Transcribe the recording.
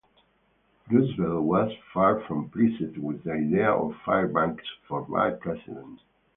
Roosevelt was far from pleased with the idea of Fairbanks for vice-president.